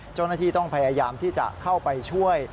เจ้าหน้าที่ต้องพยายามที่จะเข้าไปช่วย